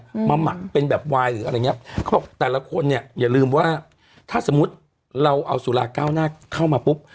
มาหมักเป็นแบบวายหรืออะไรอย่างเงี้ยเขาบอกแต่ละคนเนี้ยอย่าลืมว่าถ้าสมมุติเราเอาสุราเก้าหน้าเข้ามาปุ๊บ